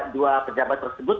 dua pejabat tersebut